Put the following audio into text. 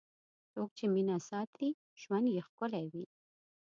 څوک چې مینه ساتي، ژوند یې ښکلی وي.